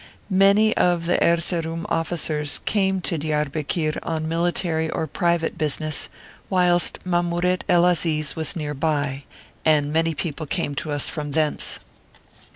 Many of the Erzeroum officers came to Diarbekir on military or private business, whilst Mamouret el Aziz was near by, and many people came to us from thence.